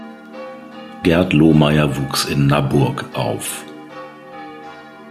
Gerd Lohmeyer wuchs in Nabburg auf.